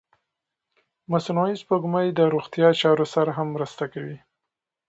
مصنوعي سپوږمکۍ د روغتیا چارو سره هم مرسته کوي.